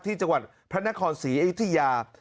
ที่จังหวัดพระนครศรีอยุธยา